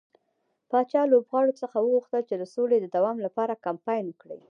پاچا لوبغاړو څخه وغوښتل چې د سولې د دوام لپاره کمپاين وکړي.